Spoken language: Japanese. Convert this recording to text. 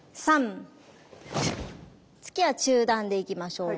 ３突きは中段でいきましょう。